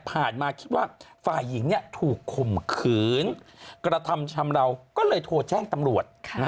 มาคิดว่าฝ่ายหญิงถูกข่มขืนกระทำชำราวก็เลยโทรแจ้งตำรวจ